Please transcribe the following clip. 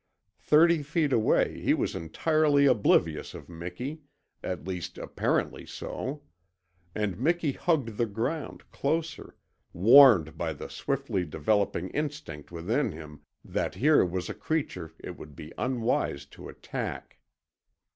Thirty feet away he was entirely oblivious of Miki, at least apparently so; and Miki hugged the ground closer, warned by the swiftly developing instinct within him that here was a creature it would be unwise to attack.